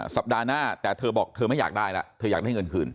สัปดาห์หน้าแต่เธอบอกเธอไม่อยากได้แล้วเธออยากได้เงินคืน